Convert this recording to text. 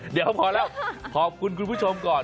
เดี๋ยวพอแล้วขอบคุณคุณผู้ชมก่อน